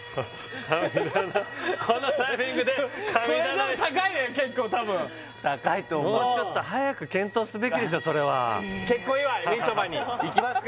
このタイミングで神棚結構多分高いと思うもうちょっと早く検討すべきでしょそれはいきますか